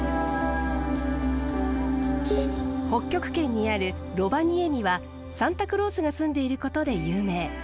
北極圏にあるロヴァニエミはサンタクロースが住んでいることで有名。